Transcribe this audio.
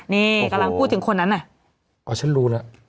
นี่กำลังพูดถึงคนนั้นน่ะอ๋อฉันรู้แล้ว